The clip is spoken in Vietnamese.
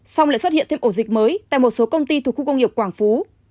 xong lại xuất hiện thêm ổ dịch mới tại một số công ty thuộc khu công nghiệp quảng phú